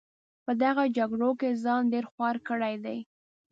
په دغه جګړو کې ځان ډېر خوار کړی دی.